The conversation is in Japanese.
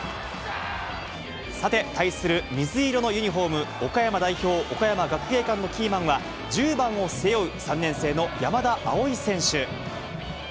さて、対する水色のユニホーム、岡山代表、岡山学芸館のキーマンは、１０番を背負う３年生の山田蒼選手。